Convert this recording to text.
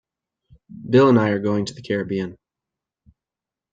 Bill and I are going to the Caribbean.